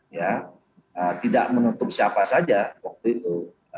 ya tidak menutup siapa saja waktu itu